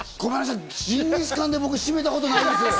ごめんなさい、ジンギスカンで僕、シメめたことないです。